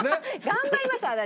頑張りました私。